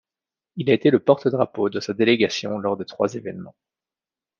Il a été le porte-drapeau de sa délégation lors des trois événements.